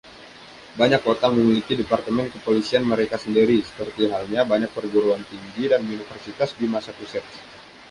Banyak kota memiliki departemen kepolisian mereka sendiri, seperti halnya banyak perguruan tinggi dan universitas di Massachusetts.